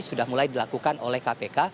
sudah mulai dilakukan oleh kpk